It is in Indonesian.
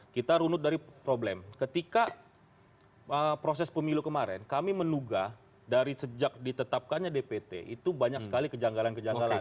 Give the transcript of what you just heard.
kita runut dari problem ketika proses pemilu kemarin kami menugah dari sejak ditetapkannya dpt itu banyak sekali kejanggalan kejanggalan